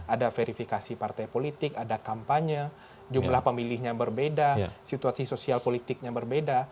ada verifikasi partai politik ada kampanye jumlah pemilihnya berbeda situasi sosial politiknya berbeda